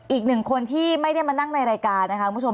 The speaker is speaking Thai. อีกหนึ่งคนที่ไม่ได้มานั่งในรายการนะคะคุณผู้ชม